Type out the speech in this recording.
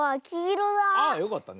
あっよかったね。